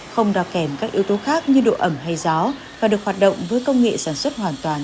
không đo kèm các yếu tố khác như độ ẩm hay gió và được hoạt động với công nghệ sản xuất hoàn toàn